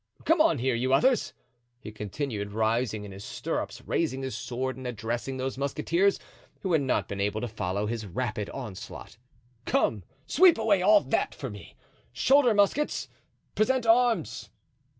Come on, here, you others," he continued, rising in his stirrups, raising his sword, and addressing those musketeers who had not been able to follow his rapid onslaught. "Come, sweep away all that for me! Shoulder muskets! Present arms!